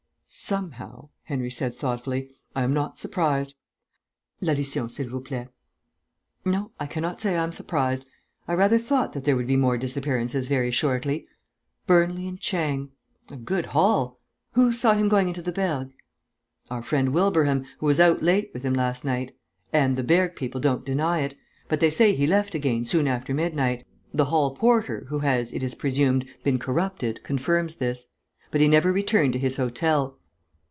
"Somehow," Henry said thoughtfully, "I am not surprised. L'addition, s'il vous plaît. No, I cannot say I am surprised. I rather thought that there would be more disappearances very shortly. Burnley and Chang. A good haul.... Who saw him going into the Bergues?" "Our friend Wilbraham, who was out late with him last night. And the Bergues people don't deny it. But they say he left again, soon after midnight. The hall porter, who has, it is presumed, been corrupted, confirms this. But he never returned to his hotel.